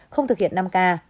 không thực hiện năm k